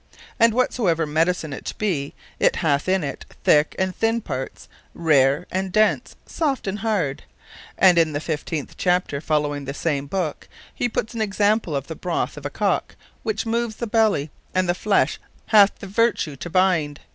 And whatsoever Medicine it be, it hath in it, thick, and thinne parts; rare, and dense; soft, and hard. And in the fifteenth Chapter following, in the same Book, he puts an example of the Broth of a Cock, which moves the Belly; and the flesh hath the vertue to bind.